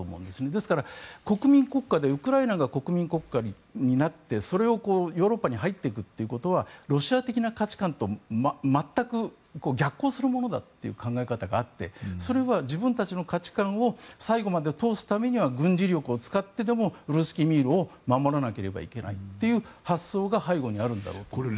ですからウクライナが国民国家になってそれがヨーロッパに入っていくということはロシア的な価値観と全く逆行するものだという考え方があってそれは自分たちの価値観を最後まで通すためには軍事力を使ってでもルースキー・ミールを守らなければいけないという発想が背後にあるんだろうと思います。